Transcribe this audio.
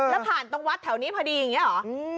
แล้วผ่านตรงวัดแถวนี้พอดีอย่างนี้เหรอ